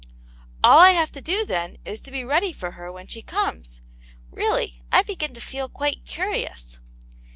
"All I have to do, then, is to be ready for her when she comes! Really, I begin to feel quite curious."